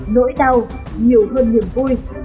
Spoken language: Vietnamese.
nỗi đau nhiều hơn niềm vui